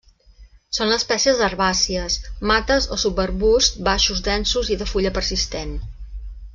Són espècies herbàcies, mates o subarbusts baixos densos i de fulla persistent.